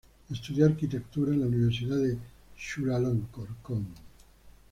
Estudió arquitectura en la Universidad de Chulalongkorn.